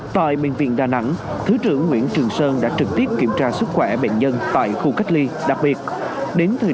tại bệnh viện đà nẵng thứ trưởng nguyễn trường sơn đã trực tiếp kiểm tra sức khỏe bệnh viện